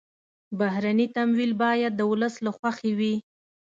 بهرني تمویل باید د ولس له خوښې وي.